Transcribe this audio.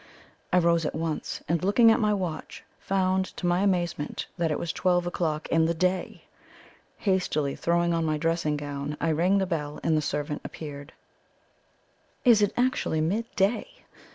I rose at once, and, looking at my watch, found to my amazement that it was twelve o'clock in the day! Hastily throwing on my dressing gown, I rang the bell, and the servant appeared. "Is it actually mid day?"